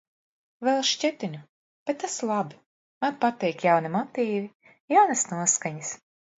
Vēl šķetinu. Bet tas labi. Man patīk jauni motīvi, jaunas noskaņas.